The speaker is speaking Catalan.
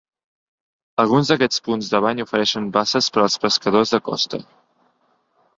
Alguns d"aquests punts de bany ofereixen bases per als pescadors de costa.